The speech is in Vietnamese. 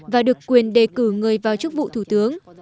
và được quyền đề cử người vào chức vụ thủ tướng